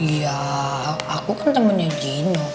ya aku kan temennya gino